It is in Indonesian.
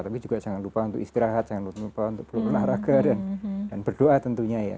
tapi juga jangan lupa untuk istirahat jangan lupa untuk berolahraga dan berdoa tentunya ya